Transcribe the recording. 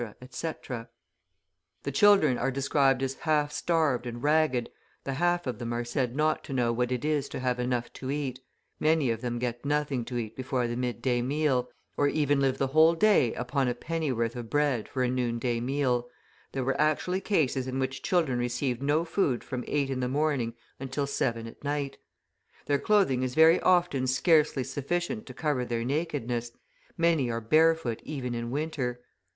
etc. The children are described as half starved and ragged, the half of them are said not to know what it is to have enough to eat, many of them get nothing to eat before the midday meal, or even live the whole day upon a pennyworth of bread for a noonday meal there were actually cases in which children received no food from eight in the morning until seven at night. Their clothing is very often scarcely sufficient to cover their nakedness, many are barefoot even in winter.